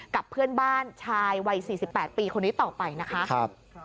กับเพื่อนบ้านชายวัย๔๘ปีคนนี้ต่อไปนะคะ